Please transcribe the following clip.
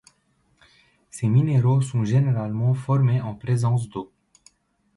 Ces minéraux sont généralement formés en présence d'eau.